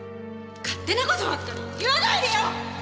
勝手なことばっかり言わないでよ！